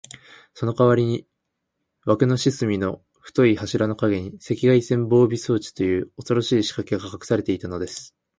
そのかわりに、わくの四すみの太い柱のかげに、赤外線防備装置という、おそろしいしかけがかくされていたのです。